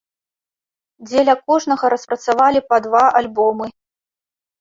Дзеля кожнага распрацавалі па два альбомы.